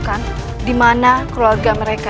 baik aku ke tempat keluarga mereka